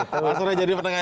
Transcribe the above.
pak surnya jadi penengah ya